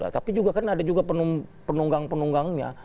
tapi juga kan ada juga penunggang penunggangnya